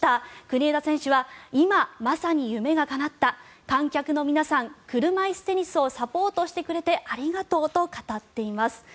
国枝選手は今、まさに夢がかなった観客の皆さん車いすテニスをサポートしてくれてありがとうと語っています。